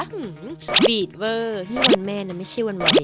อื้มบีตเวอร์นี่วันแม่นไม่ใช่วันวันนี้